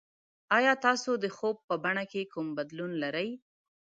ایا تاسو د خوب په بڼه کې کوم بدلون لرئ؟